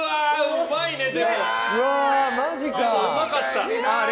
うまかった。